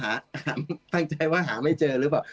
ตั้งใจว่าหาไม่เจอหรือเปล่า